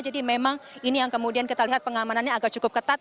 jadi memang ini yang kemudian kita lihat pengamanannya agak cukup ketat